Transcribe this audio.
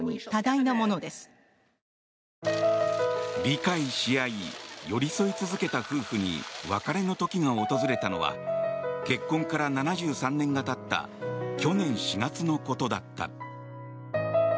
理解し合い寄り添い続けた夫婦に別れの時が訪れたのは結婚から７３年が経った去年、４月のことだった。